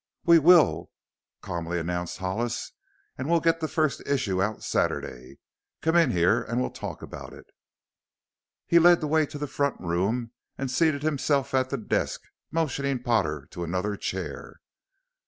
"We will," calmly announced Hollis; "and we'll get the first issue out Saturday. Come in here and we'll talk about it." He led the way to the front room and seated himself at the desk, motioning Potter to another chair.